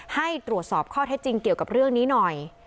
ให้ตรวจสอบข้อเท็จจริงเกี่ยวกับเรื่องนี้หน่อย